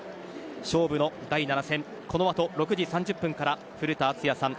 勝負の第７戦この後、６時３０分から古田敦也さん